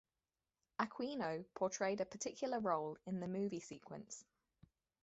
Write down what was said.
Aquino portrayed a particular role in the movie sequence.